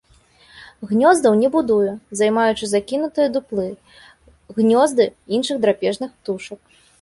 Гнёздаў не будуе, займаючы закінутыя дуплы, гнёзды іншых драпежных птушак.